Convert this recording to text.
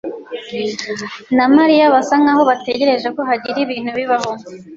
na Mariya basa nkaho bategereje ko hagira ikintu kibaho.